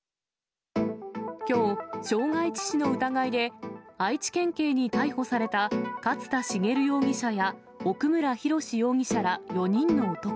きょう、傷害致死の疑いで愛知県警に逮捕された勝田茂容疑者や奥村博容疑者ら４人の男。